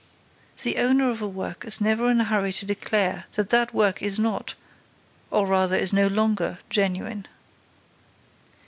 "The owner of a work is never in a hurry to declare that that work is not—or, rather, is no longer genuine."